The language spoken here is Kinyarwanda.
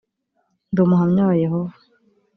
ndi umuhamya wa yehova